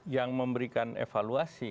yang memberikan evaluasi